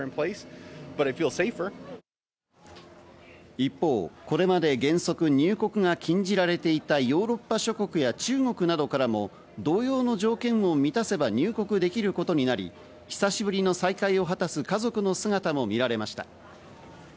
一方、これまで原則、入国が禁じられていたヨーロッパ諸国や中国などからも同様の条件を満たせばい入国できることになり、久しぶりの再会を果たす家族の姿も見られました。